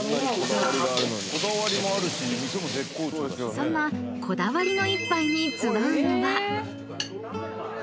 ［そんなこだわりの一杯に集うのは］